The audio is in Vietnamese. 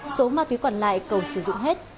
số ma túy quản lại cầu sử dụng hết